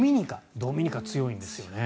ドミニカ、強いんですよね。